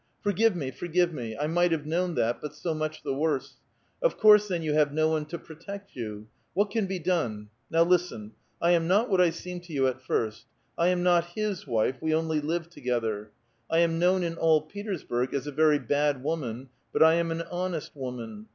Forgive me, forgive me ; I might have known that, but so much the worse. Of course, then you have no one to protect you. What can be done? Now listen; I am not what I scorned to vou at first. I am not his wife ; we onlv live together. I am known in all Petersburg as a very bad woman, but 1 am an honest woman.